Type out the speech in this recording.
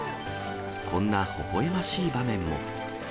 こんなほほえましい場面も。